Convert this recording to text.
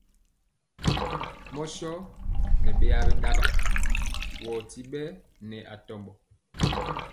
Mɔ sɔ wɛ nɛ beya biɗawa, wɔ ti ɓɛɛ nɛ atɔmbaa.